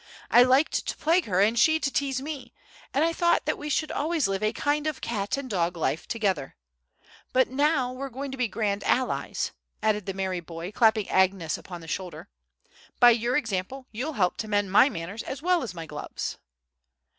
"I liked to plague her and she to tease me, and I thought that we should always live a kind of cat and dog life together. But now we're going to be grand allies," added the merry boy, clapping Agnes upon the shoulder; "by your example you'll help to mend my manners as well as my gloves!"